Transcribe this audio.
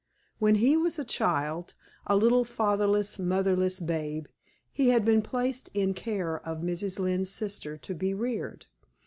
When he was a child a little fatherless, motherless babe he had been placed in care of Mrs. Lynne's sister to be reared.